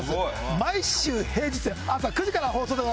毎週平日朝９時から放送です